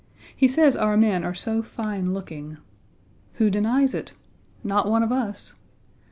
He says our men are so fine looking. Who denies it? Not one of us.